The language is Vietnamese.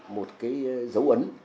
một cái dấu ấn